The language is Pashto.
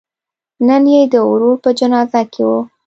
نن یې د ورور په جنازه کې و.